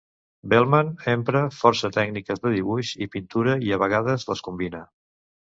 Veltman empra força tècniques de dibuix i pintura, i a vegades les combina.